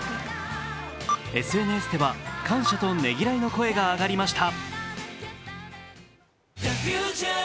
ＳＮＳでは感謝とねぎらいの声が上がりました。